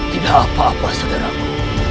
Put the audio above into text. tidak apa apa saudaraku